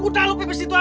udah lu pipis itu aja